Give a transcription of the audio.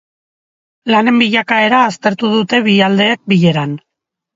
Lanen bilakaera aztertu dute bi aldeek bileran.